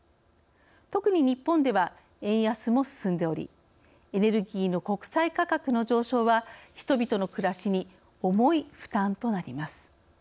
特に日本では円安も進んでおりエネルギーの国際価格の上昇は人々の暮らしに重い負担となります。